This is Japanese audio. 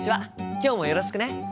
今日もよろしくね。